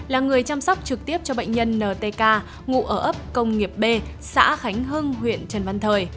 là người chăm sóc trực tiếp cho bệnh nhân ntk ngụ ở ấp công nghiệp b xã khánh hưng huyện trần văn thời